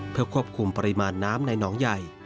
เพื่อควบคุมปริมาณน้ำในหนองใหญ่